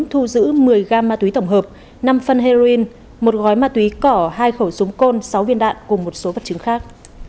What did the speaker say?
thu giữ một mươi gam ma túy tổng hợp năm phân heroin một gói ma túy cỏ hai khẩu súng côn sáu viên đạn cùng một số vật chứng khác